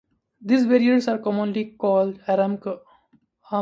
These barriers are commonly called "Armco".